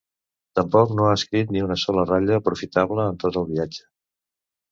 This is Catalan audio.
Tampoc no ha escrit ni una sola ratlla aprofitable en tot el viatge.